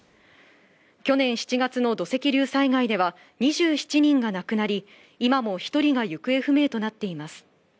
去年７月の土石流災害では、２７人が亡くなり、今も１人が行方不明となっています。